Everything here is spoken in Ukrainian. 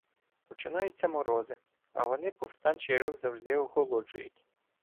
Починаються морози, а вони повстанчий рух завжди охолоджують.